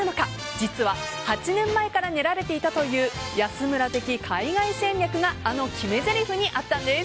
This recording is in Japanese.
実は８年前から練られていたという安村的海外戦略があの決めぜりふにあったんです。